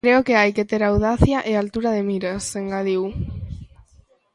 Creo que hai que ter audacia e altura de miras, engadiu.